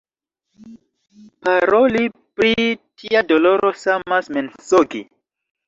Paroli pri tia doloro samas mensogi.